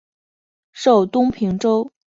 授东平州知州。